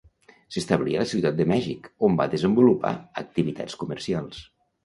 S'establí a la ciutat de Mèxic, on va desenvolupar activitats comercials.